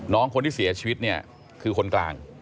น้องคนที่เสียชีวิตเนี่ยคือคนกลาง